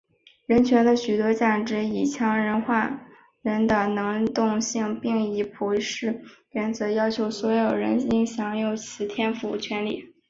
人权的许多价值以强化人的能动性并以普世原则要求所有人应享有此天赋权利。